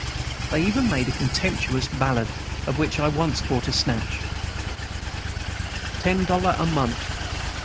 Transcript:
They even made a contemptuous ballad, of which I once caught a snatch. "Ten dollar a month!